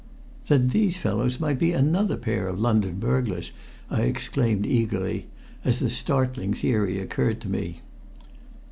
"Then these fellows might be another pair of London burglars!" I exclaimed eagerly, as the startling theory occurred to me.